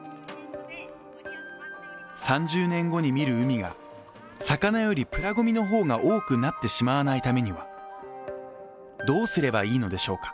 ３０年後に見る海が、魚よりプラごみの方が多くなってしまわないためにはどうすればいいのでしょうか。